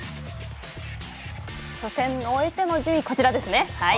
初戦を終えての順位、こちらですね。